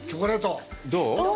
どう？